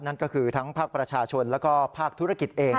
นั่นก็คือทั้งภาคประชาชนแล้วก็ภาคธุรกิจเอง